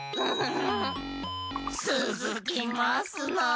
つづきますなあ！